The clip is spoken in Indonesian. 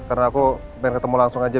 karena aku pengen ketemu langsung aja